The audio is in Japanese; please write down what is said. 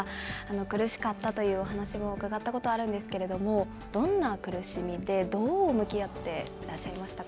苦しかったというお話も伺ったことあるんですけれども、どんな苦しみで、どのように向き合っていらっしゃいましたか。